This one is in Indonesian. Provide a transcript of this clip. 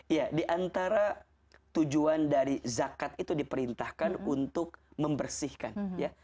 ya diantara tujuan dari zakat itu diperintahkan untuk membersihkan ya